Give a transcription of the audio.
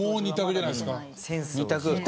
２択？